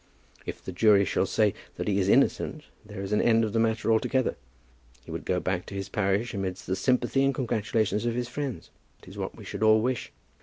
If the jury shall say that he is innocent, there is an end of the matter altogether. He would go back to his parish amidst the sympathy and congratulations of his friends. That is what we should all wish."